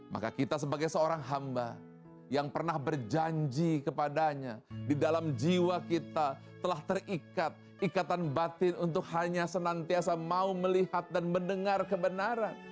maka kita sebagai seorang hamba yang pernah berjanji kepadanya di dalam jiwa kita telah terikat ikatan batin untuk hanya senantiasa mau melihat dan mendengar kebenaran